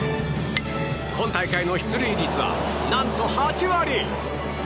今大会の出塁率は、何と８割。